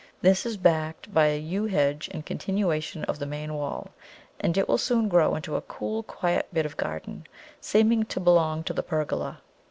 This is backed by a Yew hedge in continuation of the main wall, and it will soon grow into a cool, quiet bit of garden, seeming to belong to the pergola.